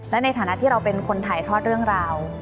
และในฐานะที่เราเป็นคนถ่ายทอดเรื่องราว